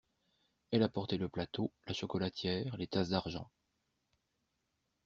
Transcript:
Elle apportait le plateau, la chocolatière, les tasses d'argent.